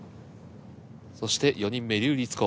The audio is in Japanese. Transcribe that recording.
そして４人目笠りつ子。